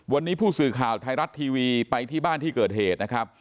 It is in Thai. วันนี้ผู้สื่อข่าวไทยรัฐทีวีไปที่บ้านที่เกิดเหตุนะครับ